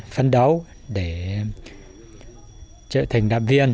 phấn đấu để trở thành đại viên